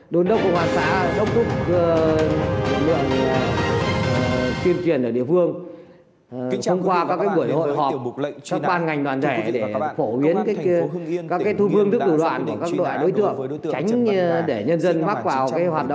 đối tượng của hoạt xã đông cô